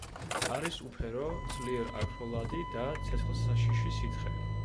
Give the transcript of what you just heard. არის უფერო, ძლიერ აქროლადი და ცეცხლსაშიში სითხე.